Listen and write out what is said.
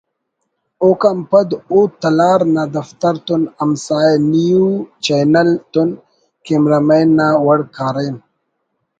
اوکان پد او ”تلار“ نا دفتر تون ہمسائے ”نیوچینل“ تون کیمرہ مین نا وڑ کاریم